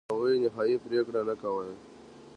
هغوی نهایي پرېکړې نه کولې.